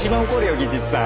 技術さん。